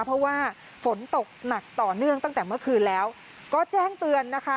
เพราะว่าฝนตกหนักต่อเนื่องตั้งแต่เมื่อคืนแล้วก็แจ้งเตือนนะคะ